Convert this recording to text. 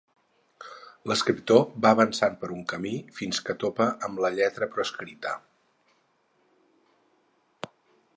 L'escriptor va avançant per un camí fins que topa amb la lletra proscrita.